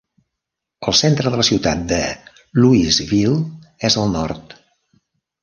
El centre de la ciutat de Louisville és al nord.